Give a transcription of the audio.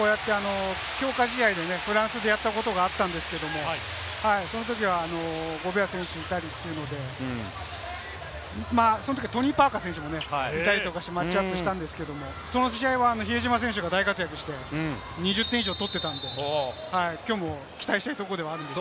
強化試合でね、フランスとやったことがあったんですけれども、そのときはゴベア選手いたりというので、その時はトニー・パーカー選手もね、いたりして、マッチアップしたんですけれども、その試合は比江島選手が大活躍して、２０点以上取ってたので、きょうも期待したいところではあります。